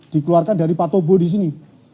dikeluarkan dari patobu disini